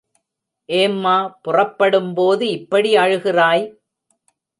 ஏம்மா புறப்படும்போது இப்படி அழுகிறாய்?